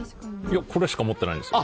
これしか持ってないんですよ。